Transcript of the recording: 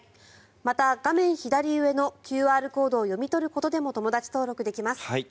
また、画面左の上のＱＲコードを読み取ることでも友だち登録できます。